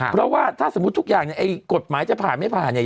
เพราะว่าถ้าสมมุติทุกอย่างเนี่ยไอ้กฎหมายจะผ่านไม่ผ่านเนี่ย